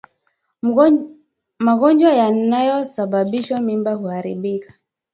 Magonjwa yanayosababisha mimba kuharibika